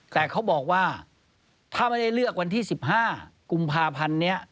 แต่เขาบอกว่าถ้าไม่ได้เลือกวันที่๑๕กุมภาพันธ์นี้